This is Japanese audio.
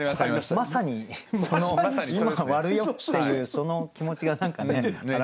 まさにその今割るよっていうその気持ちが何かね表れてる。